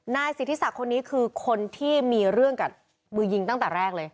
นายสิทธิศักดิ์คนนี้คือคนที่มีเรื่องกับมือยิงตั้งแต่แรกเลย